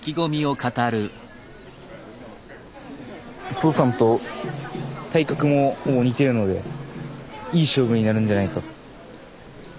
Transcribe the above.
お父さんと体格ももう似てるのでいい勝負になるんじゃないか。